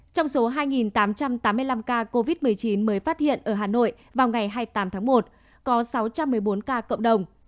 trong số hai tám trăm tám mươi năm ca covid một mươi chín mới phát hiện ở hà nội vào ngày hai mươi tám tháng một có sáu trăm một mươi bốn ca cộng đồng